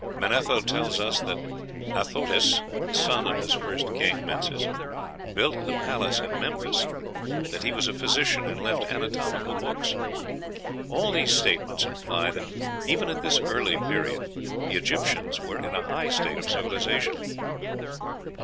Manetho tells us that Athotis, the son of this first king, Menes, built the palace at Memphis; that he was a physician, and left anatomical books. All these statements imply that even at this early period the Egyptians were in a high state of civilization."